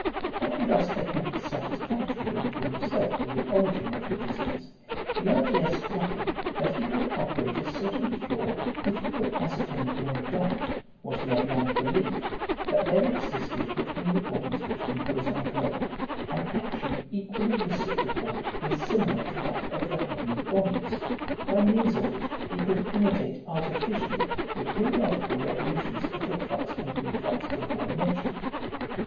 Having thus accounted satisfactorily to himself for the origin of the disease, the idea struck him that he could operate a certain cure if he could ascertain beyond doubt, what he had long believed, that there existed between the bodies which compose our globe an action equally reciprocal and similar to that of the heavenly bodies, by means of which he could imitate artificially the periodical revolutions of the flux and reflux before mentioned.